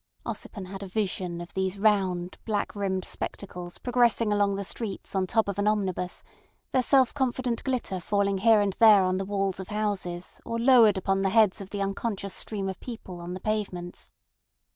Ossipon had a vision of these round black rimmed spectacles progressing along the streets on the top of an omnibus, their self confident glitter falling here and there on the walls of houses or lowered upon the heads of the unconscious stream of people on the pavements.